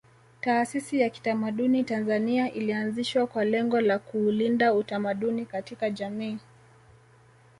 Taasisi ya kitamaduni Tanzania ilianzishwa kwa lengo la kuulinda utamaduni katika jamii